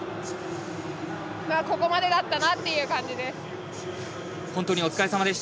ここまでだったなという感じです。